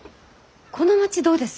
この町どうです？